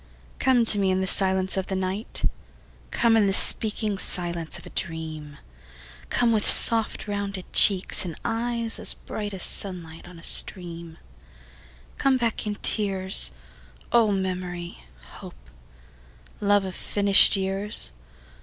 Come to me in the silence of the night; Come in the speaking silence of a dream; Come with soft rounded cheeks and eyes as bright As sunlight on a stream; Come back in tears, O memory, hope, love of finished years.